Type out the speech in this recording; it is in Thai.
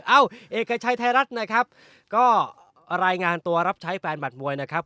เอ้าเอกชัยไทยรัฐนะครับก็รายงานตัวรับใช้แฟนหมัดมวยนะครับ